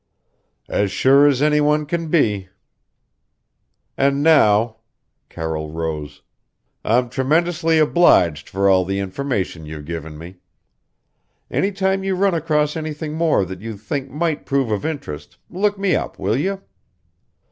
"As sure as any one can be. And now" Carroll rose "I'm tremendously obliged for all the information you've given me. Any time you run across anything more that you think might prove of interest, look me up, will you?"